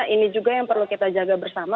ini juga yang perlu kita jaga bersama